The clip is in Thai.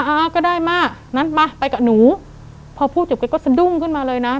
อ่าก็ได้มางั้นมาไปกับหนูพอพูดจบแกก็สะดุ้งขึ้นมาเลยนะ